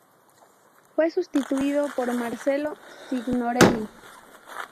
Fue sustituido por Marcelo Signorelli.